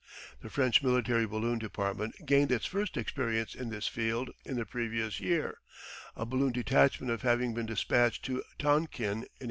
The French military balloon department gained its first experience in this field in the previous year, a balloon detachment having been dispatched to Tonkin in 1884.